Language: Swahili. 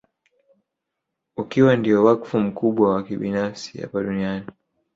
Ukiwa ndio wakfu mkubwa wa kibinafsi duniani